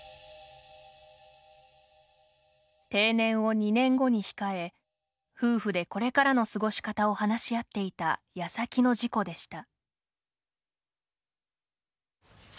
定年を２年後に控え夫婦でこれからの過ごし方を話し合っていたやさきの事故でした。